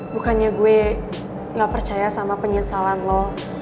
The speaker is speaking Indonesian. bukannya gue gak percaya sama penyesalan lo